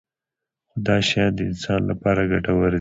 خو دا شیان د انسان لپاره ګټور دي.